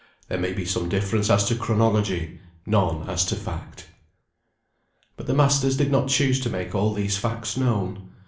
There may be some difference as to chronology, none as to fact. But the masters did not choose to make all these facts known.